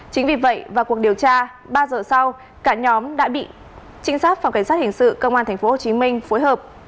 chính vì vậy vào cuộc điều tra ba giờ sau cả nhóm đã bị trinh sát phòng cảnh sát hình sự công an tp hcm phối hợp